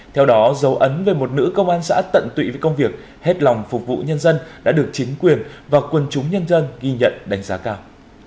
theo đó dấu ấn về một nữ công an xã tận tụy với công việc hết lòng phục vụ nhân dân đã được chính quyền và quân chúng nhân dân ghi nhận đánh giá cao